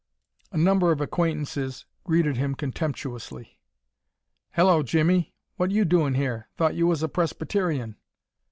A number of acquaintances greeted him contemptuously. "Hello, Jimmie! What you doin' here? Thought you was a Presbyterian?"